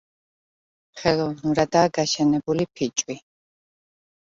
ხელოვნურადაა გაშენებული ფიჭვი.